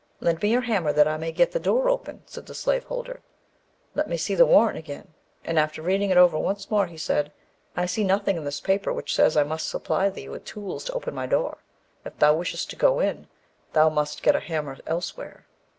"Lend me your hammer that I may get the door open," said the slaveholder. "Let me see the warrant again." And after reading it over once more, he said, "I see nothing in this paper which says I must supply thee with tools to open my door; if thou wishest to go in, thou must get a hammer elsewhere."